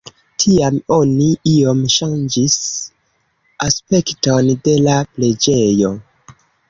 Tiam oni iom ŝanĝis aspekton de la preĝejo.